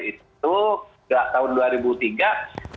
itu nggak tahun dua ribu tiga